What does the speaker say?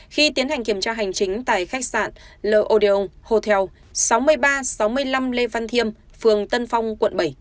khi tiến hành kiểm tra hành chính tại khách sạn no odon hotel sáu mươi ba sáu mươi năm lê văn thiêm phường tân phong quận bảy